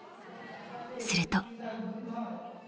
［すると］